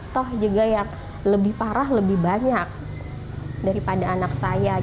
toh juga yang lebih parah lebih banyak daripada anak saya